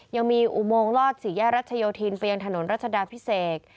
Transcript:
ยังมีอุโมงลอดสี่แยกรัชโยธินไปยังถนนรัชดาพิเศษ